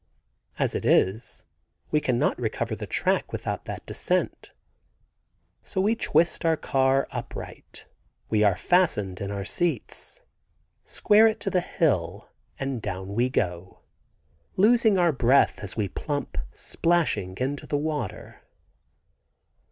As it is we cannot recover the track without that descent. So we twist our car upright (we are fastened in our seats), square it to the hill and down we go, losing our breath as we plump splashing into the water.